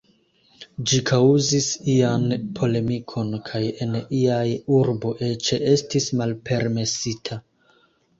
Ĝi kaŭzis ian polemikon kaj en iaj urbo eĉ estis malpermesita.